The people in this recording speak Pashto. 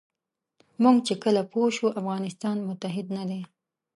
موږ چې کله پوه شو افغانستان متحد نه دی.